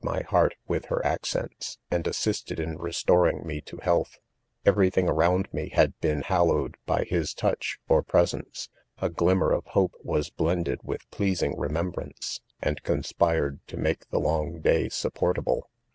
my heart with her accents, and assisted inre° storing me to healths Every thing • around <m@ had ; been ^hallowed 1 by his ■: toucfaif : ";ff t&* •sence ; a glimmer of hope was blended with pleasing remembrance, and conspired to make the long day supportable.